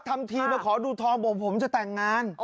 ทำทีมาขอดูทองบอกผมผมจะแต่งงาน